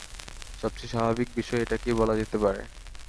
সবচেয়ে স্বাভাবিক বিষয় এটাকেই বলা যেতে পারে।